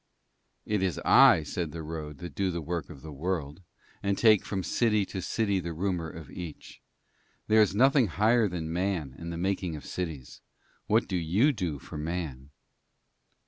'It is I,' said the road, 'that do the Work of the World, and take from city to city the rumour of each. There is nothing higher than Man and the making of cities. What do you do for Man?'